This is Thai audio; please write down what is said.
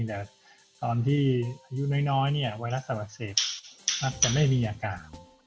แต่ตอนที่อายุในอายุน้อยไวรัสตับอักเสบมักจะไม่มีอากาศ